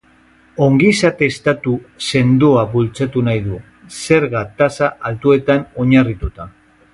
Ongizate-estatu sendoa bultzatu nahi du, zerga tasa altuetan oinarrituta.